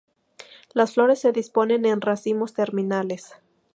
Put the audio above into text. Las flores se disponen en racimos terminales.